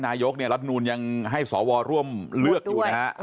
นายกรัฐนูนยังให้สวรรค์ร่วมเลือกอยู่นะฮะ